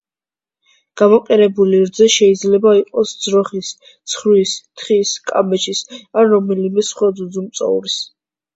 გამოყენებული რძე შეიძლება იყოს ძროხის, ცხვრის, თხის, კამეჩის, ან რომელიმე სხვა ძუძუმწოვრის.